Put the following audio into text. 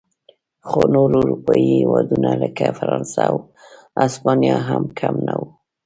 خو نور اروپايي هېوادونه لکه فرانسه او هسپانیا هم کم نه و.